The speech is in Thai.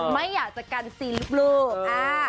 ไม่อยากจะกันซีรีส์บลืออ่า